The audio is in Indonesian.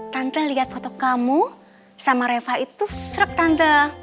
tante lihat foto kamu sama reva itu struk tante